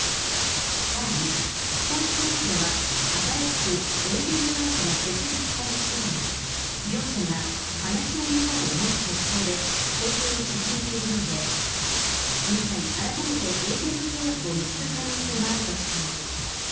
さらに、スポーツ報知では、新しくエージェント会社が設立されしだい、両者が話し合いの場を持つ方向で調整を進めているようで、その際、改めてエージェント契約を結ぶ可能性もあるとしている。